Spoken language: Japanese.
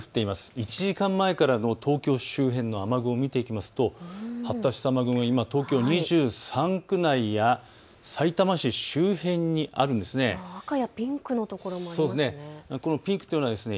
１時間前からの東京周辺の雨雲、見ていきますと発達した雨雲、東京２３区内やさいたま市周辺にあるんです。